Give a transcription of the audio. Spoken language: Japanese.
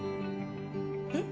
えっ？